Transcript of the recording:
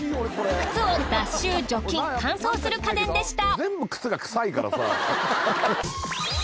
靴を脱臭除菌乾燥する家電でした。